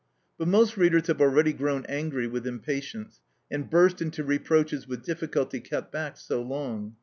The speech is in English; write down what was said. But most readers have already grown angry with impatience, and burst into reproaches with difficulty kept back so long.